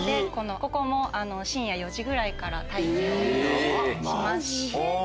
ここも深夜４時ぐらいから待機をしまして。